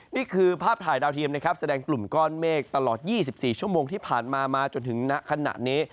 นี่คือภาพถ่ายดาวเทียมนะครับแสดงกลุ่มก้อนเมฆตลอด๒๔ชั่วโมงที่ผ่านมามาจนถึงณขณะนี้